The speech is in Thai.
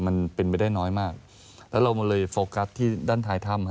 มันเป็นไปได้น้อยมากแล้วเรามาเลยโฟกัสที่ด้านท้ายถ้ำ